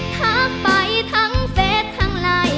ทักไปทั้งเฟสทั้งไลน์